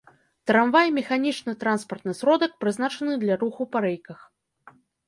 Трамвай — механічны транспартны сродак, прызначаны для руху па рэйках